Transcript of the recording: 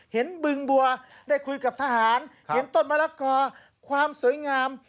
บึงบัวได้คุยกับทหารเห็นต้นมะละกอความสวยงาม